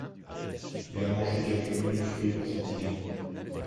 Il a mangé quelques menus fruits pour son dîner.